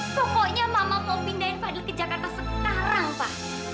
pokoknya mama mau pindahin fadil ke jakarta sekarang pa